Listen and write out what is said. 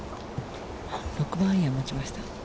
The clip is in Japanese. ６番アイアン持ちました。